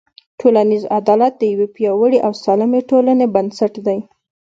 ټولنیز عدالت د یوې پیاوړې او سالمې ټولنې بنسټ دی.